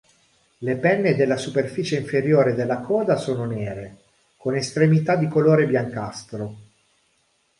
Le penne della superficie inferiore della coda sono nere, con estremità di colore biancastro.